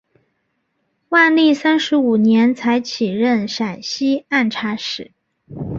万历三十五年才起任陕西按察使。